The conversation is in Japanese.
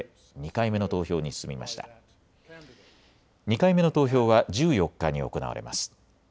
２回目の投票は１４日に行われます。